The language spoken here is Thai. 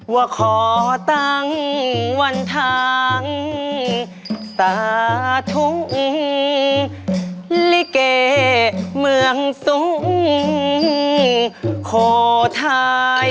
ว่าขอตั้งวันทางสาธุลิเกเมืองสูงโคทาย